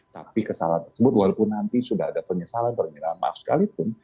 tapi kesalahan tersebut walaupun nanti sudah ada penyesalan permintaan maaf sekalipun